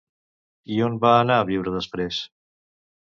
I on va anar a viure després?